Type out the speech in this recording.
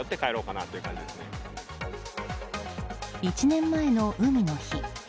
１年前の海の日。